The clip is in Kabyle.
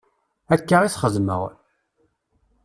Akka i t-xeddmeɣ.